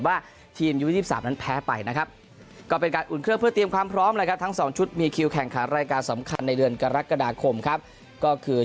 ว่าทีมยู๒๓นั้นแพ้ไปนะครับก็เป็นการอุ่นเครื่องเพื่อเตรียมความพร้อมแล้วครับทั้ง๒ชุดมีคิวแข่งขันรายการสำคัญในเดือนกรกฎาคมครับก็คือ